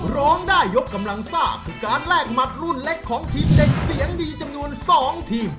ร้องได้ยกกำลังซ่าคือการแลกหมัดรุ่นเล็กของทีมเด็กเสียงดีจำนวน๒ทีม